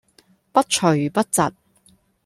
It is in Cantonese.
不徐不疾